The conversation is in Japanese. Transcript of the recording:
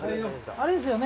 あれですよね